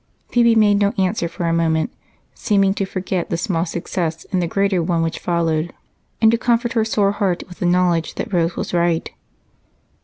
Phebe made no answer for a moment, seeming to forget the small success in the greater one which followed and to comfort her sore heart with the knowledge that Rose was right.